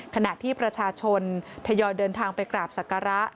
ขณะที่ประชาชนทยอยเดินทางไปกราบศักระ